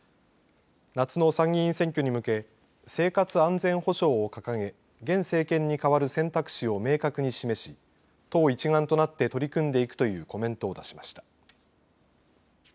夏の参議院選挙に向け生活安全保障を掲げ現政権に代わる選択肢を明確に示し党一丸となって取り組んでいくというコメントを出しました。